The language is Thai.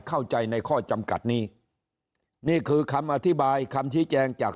เข้าใจในข้อจำกัดนี้นี่คือคำอธิบายคำชี้แจงจาก